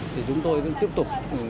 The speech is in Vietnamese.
thì chúng tôi vẫn tiếp tục